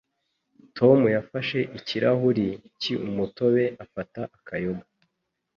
Tom yafashe ikirahuri cy umutobe afata akayoga.